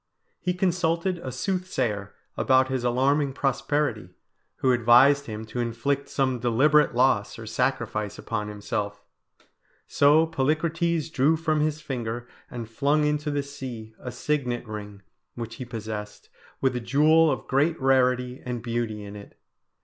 He consulted a soothsayer about his alarming prosperity, who advised him to inflict some deliberate loss or sacrifice upon himself; so Polycrates drew from his finger and flung into the sea a signet ring which he possessed, with a jewel of great rarity and beauty in it.